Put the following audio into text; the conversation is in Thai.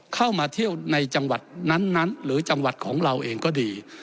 เข้ามาเที่ยวในจังหวัดนั้นหรือจังหวัดของเราเองก็ดี